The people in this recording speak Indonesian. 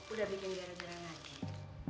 udah bikin biara biara lagi